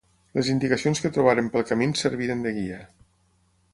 Les indicacions que trobàrem pel camí ens serviren de guia.